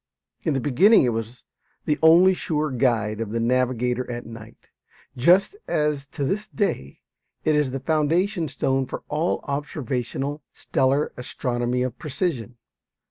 In the beginning it was the only sure guide of the navigator at night, just as to this day it is the foundation stone for all observational stellar astronomy of precision.